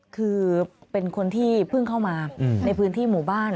คือเป็นคนที่เพิ่งเข้ามาในพื้นที่หมู่บ้าน